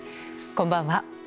こんばんは。